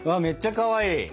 めっちゃかわいい。